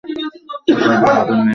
এই কয়দিন আমাদের নেশা করানো হয়নি।